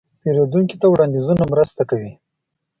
پیرودونکي ته وړاندیزونه مرسته کوي.